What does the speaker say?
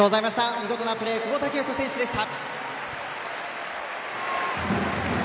見事なプレー久保建英選手でした。